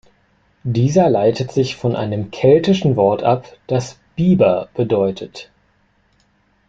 Dieser leitet sich von einem keltischen Wort ab, das "Biber" bedeutet.